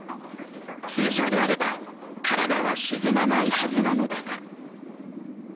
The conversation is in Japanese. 通常であれば体は沈まないはずなのだが。